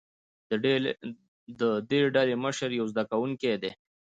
د دې ډلې مشر یو زده کوونکی دی.